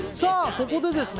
ここでですね